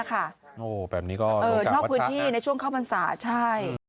แบบนี้ก็โรงการวัดชะนะครับใช่